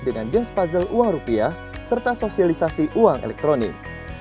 dengan jazz puzzle uang rupiah serta sosialisasi uang elektronik